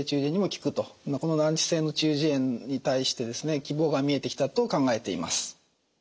この難治性の中耳炎に対して希望が見えてきたと考えています。